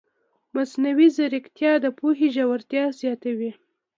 مصنوعي ځیرکتیا د پوهې ژورتیا زیاتوي.